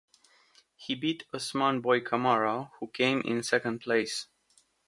He beat Usman Boie Kamara, who came in second place.